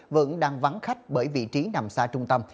vẫn đang vắng khách bởi vị trí nằm xa trung tâm